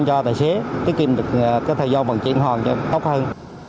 cho tài xế tiết kiệm được cái thời gian vận chuyển hoàn cho tốt hơn